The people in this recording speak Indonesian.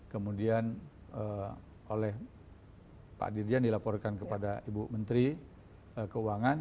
kemudian oleh pak dirjen dilaporkan kepada ibu menteri keuangan